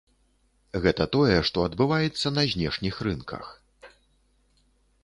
Гэта тое, што адбываецца на знешніх рынках.